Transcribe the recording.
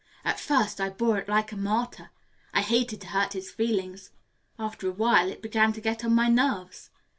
At first I bore it like a martyr. I hated to hurt his feelings. After a while it began to get on my nerves.